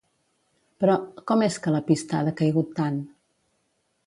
Però, com és que la pista ha decaigut tant?